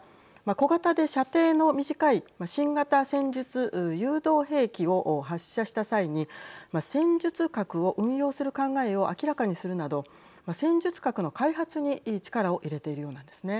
小型で射程の短い新型戦術誘導兵器を発射した際に戦術核を運用する考えを明らかにするなど戦術核の開発に力を入れているようなんですね。